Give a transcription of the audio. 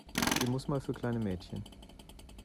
Sie muss mal für kleine Mädchen.